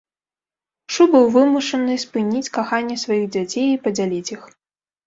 Шу быў вымушаны спыніць каханне сваіх дзяцей і падзяліць іх.